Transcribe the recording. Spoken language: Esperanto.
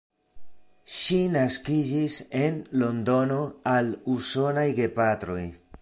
Ŝi naskiĝis en Londono al usonaj gepatroj.